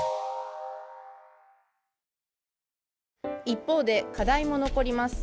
一方で、課題も残ります。